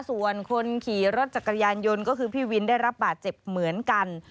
ส่วนคนขี่รถจักรยานยนต์ก็คือพี่วินได้รับบาดเจ็บเหมือนกัน